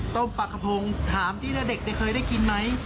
ปลากระพงถามสินะเด็กเคยได้กินไหม